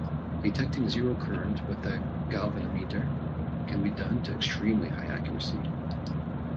Detecting zero current with a galvanometer can be done to extremely high accuracy.